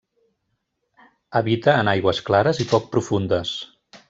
Habita en aigües clares i poc profundes.